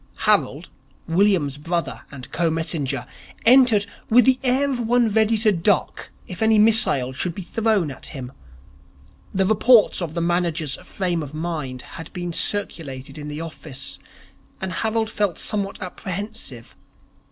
Harold, William's brother and co messenger, entered with the air of one ready to duck if any missile should be thrown at him. The reports of the manager's frame of mind had been circulated in the office, and Harold felt somewhat apprehensive.